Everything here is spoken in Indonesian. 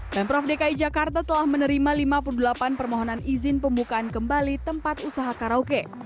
pemprov dki jakarta telah menerima lima puluh delapan permohonan izin pembukaan kembali tempat usaha karaoke